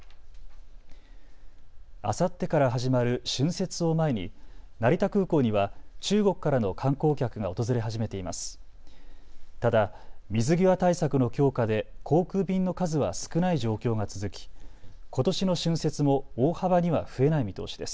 あさってから始まる春節を前に成田空港には中国からの観光客が訪れはじめています。